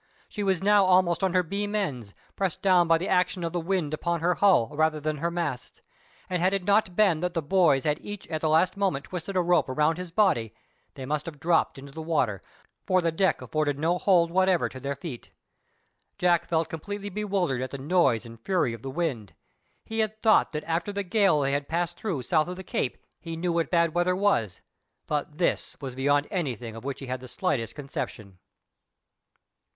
She was now almost on her beam ends, pressed down by the action of the wind upon her hull rather than her masts, and had it not been that the boys had each at the last moment twisted a rope round his body, they must have dropped into the water, for the deck afforded no hold whatever to their feet. Jack felt completely bewildered at the noise and fury of the wind. He had thought that after the gale they had passed through south of the Cape, he knew what bad weather was; but this was beyond anything of which he had the slightest conception.